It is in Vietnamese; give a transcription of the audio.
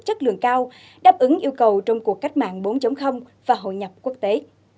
chất lượng cao đáp ứng yêu cầu trong cuộc cách mạng bốn và hội nhập quốc tế